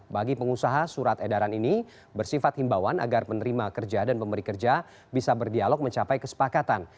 bagi pengusaha surat edaran ini bersifat himbawan agar penerima kerja dan pemberi kerja bisa berdialog mencapai kesepakatan